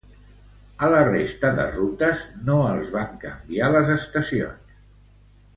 A la resta de rutes no els van canviar les estacions.